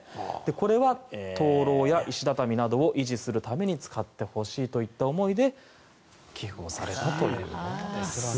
これは灯ろうや石畳などを維持するために使ってほしいといった思いで寄付をされたということです。